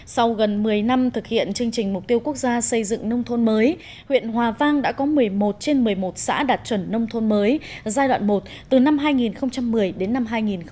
sau gần một mươi năm thực hiện chương trình mục tiêu quốc gia xây dựng nông thôn mới huyện hòa vang đã có một mươi một trên một mươi một xã đạt chuẩn nông thôn mới giai đoạn một từ năm hai nghìn một mươi đến năm hai nghìn một mươi năm